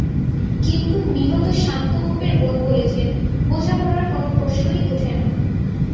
কিন্তু নিহত শান্ত গোপের বোন বলেছেন, বোঝাপড়ার কোনো প্রশ্নই ওঠে না।